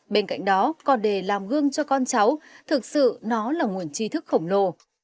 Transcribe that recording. bên cạnh đó còn để làm gương cho con cháu thực sự nó là nguồn chi thức khổng lồ